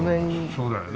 そうだよね。